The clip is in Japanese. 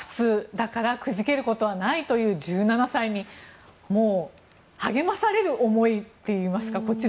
だからくじけることはないという１７歳にこちらが励まされる思いといいますか。